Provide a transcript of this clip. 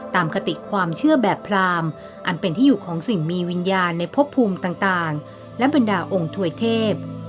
คติความเชื่อแบบพรามอันเป็นที่อยู่ของสิ่งมีวิญญาณในพบภูมิต่างและบรรดาองค์ถวยเทพ